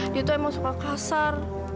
dia itu memang suka kasar